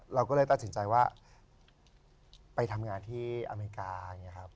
เราก็เลยตัดสินใจว่าไปทำงานที่อเมริกาอย่างนี้ครับ